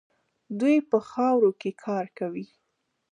دوی په خاورو کې کار کوي.